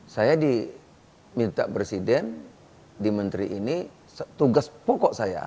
saya diminta presiden di menteri ini tugas pokok saya